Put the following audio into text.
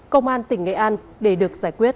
công an tỉnh nghệ an để được giải quyết